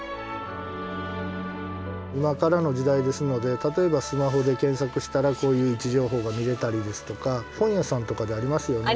今からの時代ですので例えばスマホで検索したらこういう位置情報が見れたりですとか本屋さんとかでありますよね。ありますね。